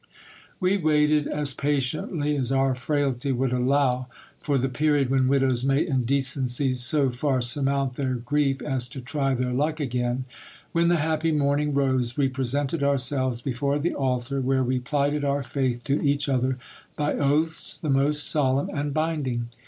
We waited, as patiently as our frailty would allow, for the period when widows may in decency so far sur mount their grief as to try their luck again. When the happy morning rose, we presented ourselves before the altar, where we plighted our faith to each other by oaths the most solemn and binding.